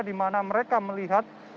di mana mereka melihat